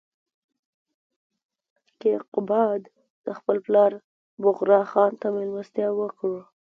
کیقباد خپل پلار بغرا خان ته مېلمستیا وکړه.